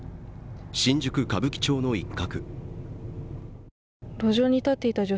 新宿歌舞伎町の一角。